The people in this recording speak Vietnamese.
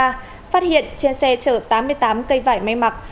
phát hiện trên xe chở tám mươi tám cây vải may mặc